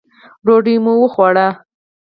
ډوډۍ مو وخوړه.